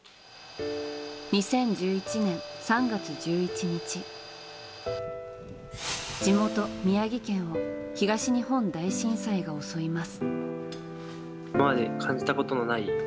２０１１年３月１１日地元・宮城県を東日本大震災が襲います。